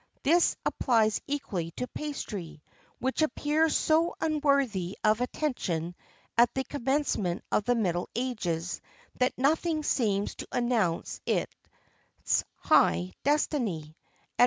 This applies equally to pastry, which appears so unworthy of attention at the commencement of the middle ages that nothing seems to announce its high destiny.